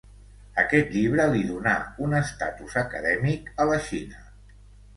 Aquest llibre li donà un estatus acadèmic a la Xina.